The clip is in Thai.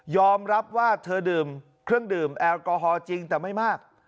อมรับว่าเธอดื่มเครื่องดื่มแอลกอฮอลจริงแต่ไม่มาก